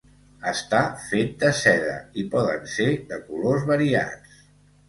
Està fet de seda i poden ser de colors variats.